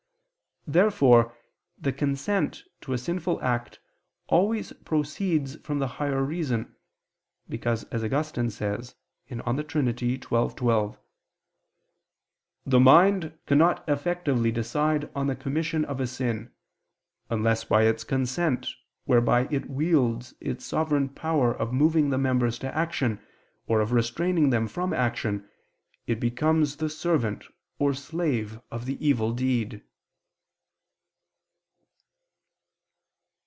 Therefore the consent to a sinful act always proceeds from the higher reason: because, as Augustine says (De Trin. xii, 12), "the mind cannot effectively decide on the commission of a sin, unless by its consent, whereby it wields its sovereign power of moving the members to action, or of restraining them from action, it become the servant or slave of the evil deed."